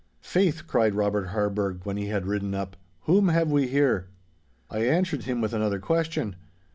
'Faith,' cried Robert Harburgh, when he had ridden up, 'whom have we here?' I answered him with another question.